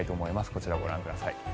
こちらをご覧ください。